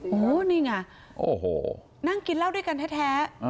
โอ้โหนี่ไงโอ้โหนั่งกินเหล้าด้วยกันแท้